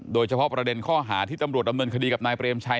โดยเฉพาะประเด็นข้อหาที่ตำรวจดำเนินคดีกับนายเปรมชัย